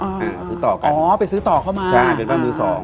อ่าซื้อต่อกันอ๋อไปซื้อต่อเข้ามาใช่เป็นบ้านมือสอง